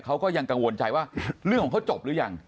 เขาก็ยังกังวลใจว่าเรื่องของเขาจบหรือยัง